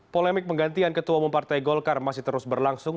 polemik penggantian ketua umum partai golkar masih terus berlangsung